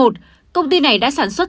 hành vi một công ty này đã sản xuất